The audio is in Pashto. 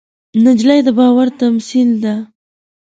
نجلۍ د باور تمثیل ده.